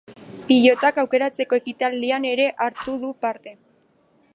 Pilotak aukeratzeko ekitaldian ere hartu du parte.